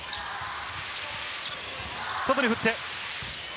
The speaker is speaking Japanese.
外に振って。